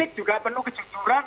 politik juga penuh kejujuran